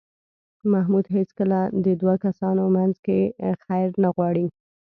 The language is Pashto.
محمود هېڅکله د دو کسانو منځ کې خیر نه غواړي.